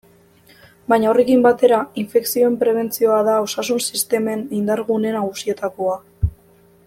Baina horrekin batera, infekzioen prebentzioa da osasun-sistemen indar-gune nagusietakoa.